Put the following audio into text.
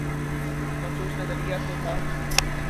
مخصوص نظریہ تو تھا۔